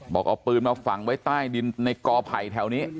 บอกเอาปืนมาฝังไว้ใต้ดินในกอไผ่แถวนี้